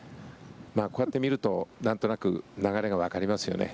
こうやって見るとなんとなく流れがわかりますよね。